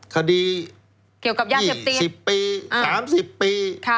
คดี๒๐ปี๓๐ปี